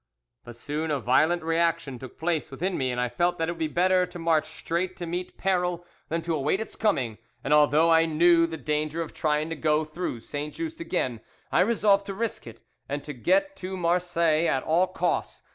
But soon a violent reaction took place within me, and I felt that it would be better to march straight to meet peril than to await its coming, and although I knew the danger of trying to go through Saint Just again, I resolved to risk it, and to get to Marseilles at all costs.